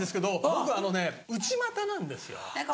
僕あのね内股なんですよ。